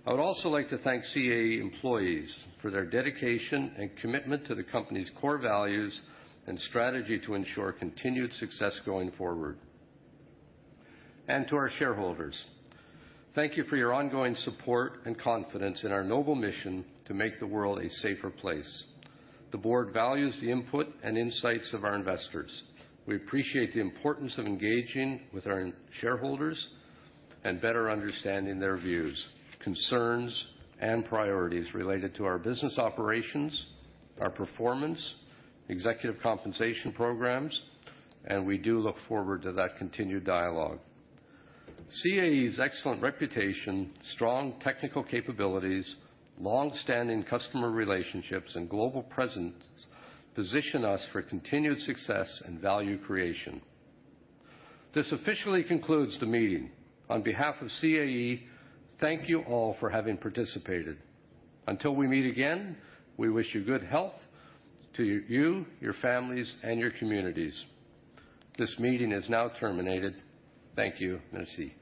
I would also like to thank CAE employees for their dedication and commitment to the company's core values and strategy to ensure continued success going forward. To our shareholders, thank you for your ongoing support and confidence in our noble mission to make the world a safer place. The board values the input and insights of our investors. We appreciate the importance of engaging with our shareholders and better understanding their views, concerns, and priorities related to our business operations, our performance, executive compensation programs, and we do look forward to that continued dialogue. CAE's excellent reputation, strong technical capabilities, long-standing customer relationships, and global presence position us for continued success and value creation. This officially concludes the meeting. On behalf of CAE, thank you all for having participated. Until we meet again, we wish you good health to you, your families, and your communities. This meeting is now terminated. Thank you. Merci.